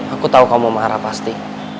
aku tahu kamu marah pasti